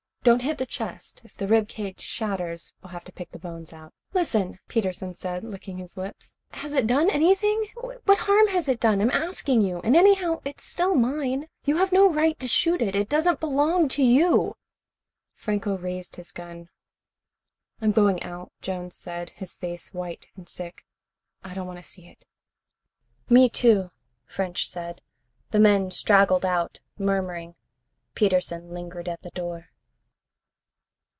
Don't hit the chest. If the rib cage shatters, we'll have to pick bones out." "Listen," Peterson said, licking his lips. "Has it done anything? What harm has it done? I'm asking you. And anyhow, it's still mine. You have no right to shoot it. It doesn't belong to you." Franco raised his gun. "I'm going out," Jones said, his face white and sick. "I don't want to see it." "Me, too," French said. The men straggled out, murmuring. Peterson lingered at the door.